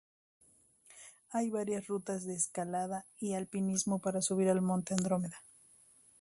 Hay varias rutas de escalada y alpinismo para subir el monte Andrómeda.